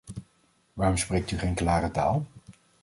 Waarom spreekt u geen klare taal?